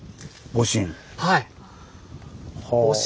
はい！